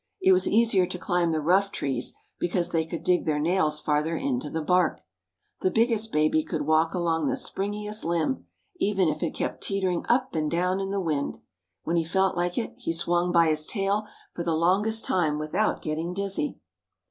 It was easier to climb the rough trees because they could dig their nails farther into the bark. The biggest baby could walk along the springiest limb, even if it kept teetering up and down in the wind. When he felt like it he swung by his tail for the longest time without getting dizzy.